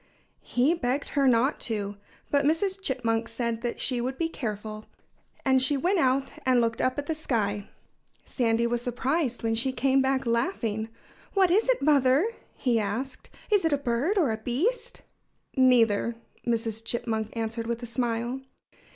He begged her not to. But Mrs. Chipmunk said she would be careful. And she went out and looked up at the sky. Sandy was surprised when she came back laughing. "What is it, Mother?" he asked. "Is it a bird or a beast?" "Neither!" Mrs. Chipmunk answered with a smile.